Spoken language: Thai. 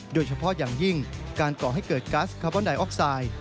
โดยเฉพาะอย่างยิ่งการก่อให้เกิดกัสคาร์บอนไดออกไซด์